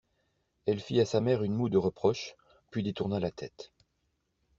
Elle fit à sa mère une moue de reproche, puis détourna la tête.